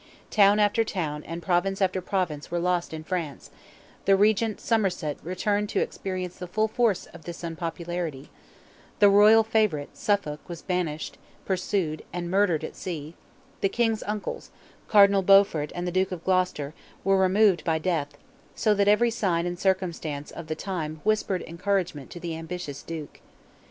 Town after town and province after province were lost in France; the Regent Somerset returned to experience the full force of this unpopularity; the royal favourite, Suffolk, was banished, pursued, and murdered at sea; the King's uncles, Cardinal Beaufort and the Duke of Gloucester, were removed by death—so that every sign and circumstance of the time whispered encouragement to the ambitious Duke.